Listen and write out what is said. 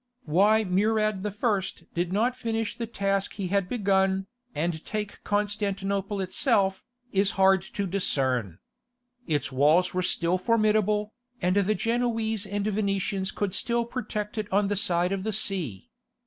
Why Murad I. did not finish the task he had begun, and take Constantinople itself, it is hard to discern. Its walls were still formidable, and the Genoese and Venetians could still protect it on the side of the sea.